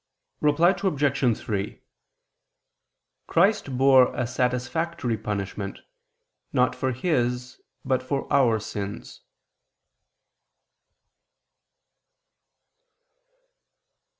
Reply Obj. 3: Christ bore a satisfactory punishment, not for His, but for our sins.